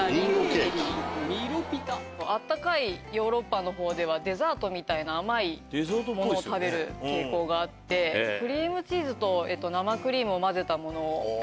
暖かいヨーロッパの方ではデザートみたいな甘いものを食べる傾向があってクリームチーズと生クリームを混ぜたものを。